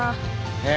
ねえ。